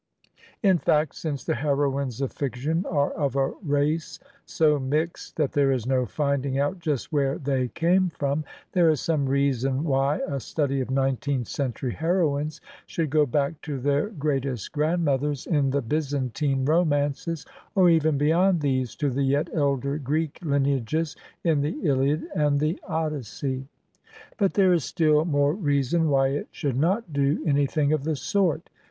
In fact, since the heroines of fiction are of a race so mixed that there is no finding out just where they came from, there is some reason why a study of nineteenth century heroines should go back to their greatest grandmothers in the Byzantine romances, or even beyond these, to the yet elder Greek lineages in the "Iliad" and the "Odys sey/' But there is still more reason why it should not do anything of the sort.